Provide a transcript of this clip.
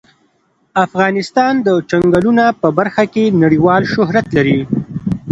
افغانستان د چنګلونه په برخه کې نړیوال شهرت لري.